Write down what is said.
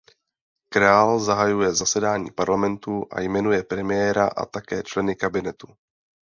Král zahajuje zasedání parlamentu a jmenuje premiéra a také členy kabinetu.